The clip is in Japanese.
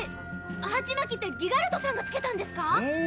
「ハチマキ」ってギガルトさんが付けたんですか？